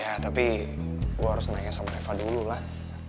ya tapi gue harus nanya sama reva dululah